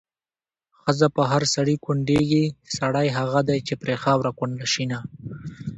ښځه په هر سړي کونډېږي، سړی هغه دی چې پرې خاوره کونډه شېنه